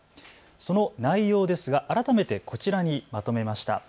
その内容ですが改めてこちらにまとめました。